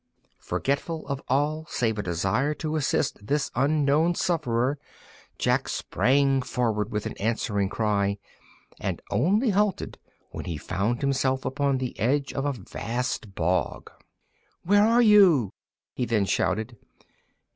Forgetful of all save a desire to assist this unknown sufferer, Jack sprang forward with an answering cry, and only halted when he found himself upon the edge of a vast bog. [Illustration: Jack Horner] "Where are you?" he then shouted.